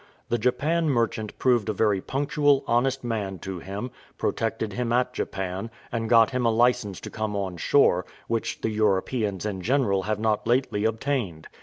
The Japan merchant proved a very punctual, honest man to him: protected him at Japan, and got him a licence to come on shore, which the Europeans in general have not lately obtained.